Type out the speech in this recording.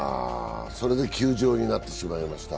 それで休場になってしまいました。